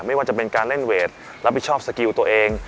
ไม่ว่าจะเป็นการเล่นเวทรับผิดชอบสกิลตัวเอง